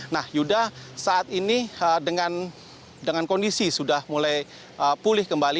nah yuda saat ini dengan kondisi sudah mulai pulih kembali